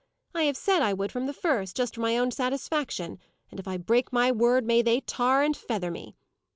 I have said I would from the first, just for my own satisfaction: and if I break my word, may they tar and feather me!